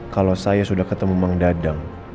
kalau saya sudah ketemu bang dadang